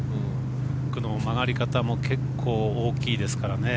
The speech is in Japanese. この曲がり方も結構大きいですからね。